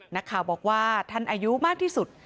นักข่าวบอกว่าท่านอายุมากที่สุด